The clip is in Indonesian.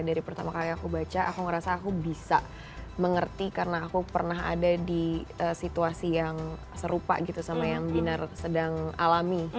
dari pertama kali aku baca aku ngerasa aku bisa mengerti karena aku pernah ada di situasi yang serupa gitu sama yang binar sedang alami